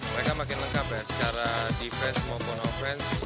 mereka makin lengkap ya secara defense maupun offense